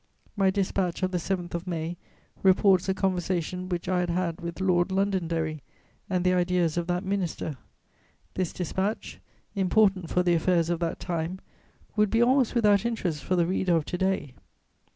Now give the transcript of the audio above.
My dispatch of the 7th of May reports a conversation which I had had with Lord Londonderry, and the ideas of that minister. This dispatch, important for the affairs of that time, would be almost without interest for the reader of to day.